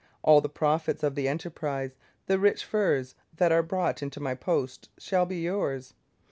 All the profits of the enterprise, the rich furs that are brought into my posts, shall be yours.'